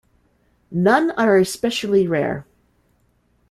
None are especially rare.